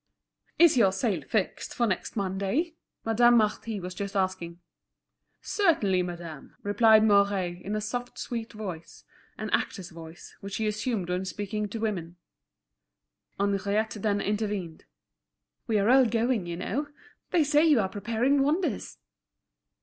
"Is your sale still fixed for next Monday?" Madame Marty was just asking. "Certainly, madame," replied Mouret, in a soft, sweet voice, an actor's voice, which he assumed when speaking to women. Henriette then intervened. "We are all going, you know. They say you are preparing wonders."